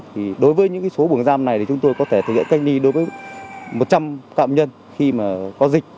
thì đối với những số buồng giam này thì chúng tôi có thể thực hiện cách ly đối với một trăm linh phạm nhân khi mà có dịch